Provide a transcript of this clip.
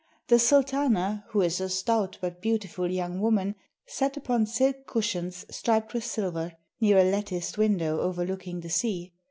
The sultana, who is a stout but beautiful young woman, sat upon silk cushions striped with silver, near a latticed window overlooking the sea.